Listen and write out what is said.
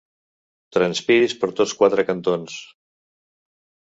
Transpiris per tots quatre cantons.